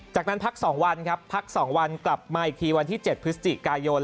จากนั้นพัก๒วันครับพัก๒วันกลับมาอีกทีวันที่๗พฤศจิกายน